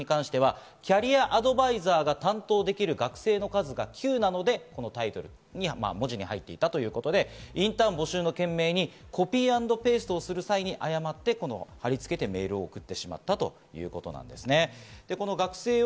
そして「９」という数字に関してはキャリアアドバイザーが担当できる学生の数が９なので、このタイトルの文字に入っていたということで、インターン募集の件名にコピー＆ペーストをする際に誤って貼り付けてメールを送ってしまったということなんですね。